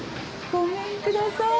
ごめんください。